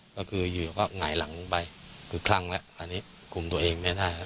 ก็คืออยู่ก็หงายหลังลงไปคือคลั่งแล้วอันนี้คุมตัวเองไม่ได้แล้ว